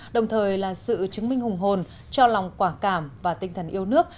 đồng thời là sự chứng minh hùng hồn cho lòng quả cảm và tinh thần yêu nước